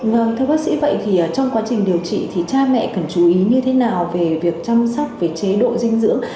vâng thưa bác sĩ vậy thì trong quá trình điều trị thì cha mẹ cần chú ý như thế nào về việc chăm sóc về chế độ dinh dưỡng